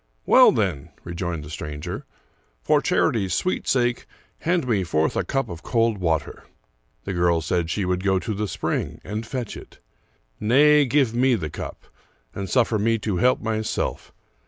" Well, then," rejoined the stranger, " for charity's sweet sake, hand me forth a cup of cold water." The girl said she would go to the spring and fetch it. " Nay, give me the cup, and suffer me to help myself.